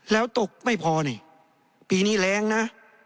แล้วตกไม่พอนี่ปีนี้แรงนะ